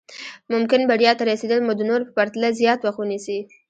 ممکن بريا ته رسېدل مو د نورو په پرتله زیات وخت ونيسي.